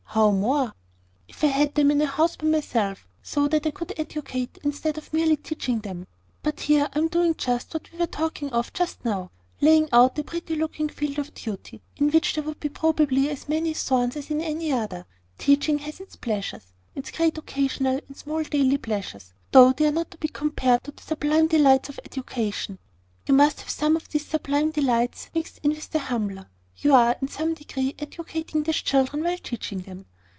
"How more?" "If I had them in a house by myself, to spend their whole time with me, so that I could educate, instead of merely teaching them. But here I am doing just what we were talking of just now, laying out a pretty looking field of duty, in which there would probably be as many thorns as in any other. Teaching has its pleasures, its great occasional, and small daily pleasures, though they are not to be compared to the sublime delights of education." "You must have some of these sublime delights mixed in with the humbler. You are, in some degree, educating these children while teaching them."